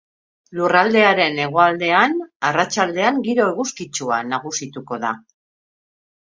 Lurraldearen hegoaldean, arratsaldean giro eguzkitsua nagusituko da.